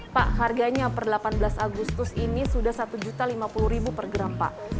pak harganya per delapan belas agustus ini sudah rp satu lima puluh per gram pak